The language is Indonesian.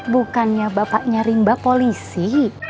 bukannya bapaknya rimba polisi